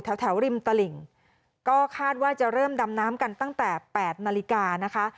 แถวริมตลิ่งก็คาดว่าจะเริ่มดำน้ำกันตั้งแต่๘นาฬิกานะคะ